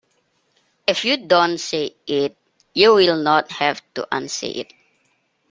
If you don't say it you will not have to unsay it.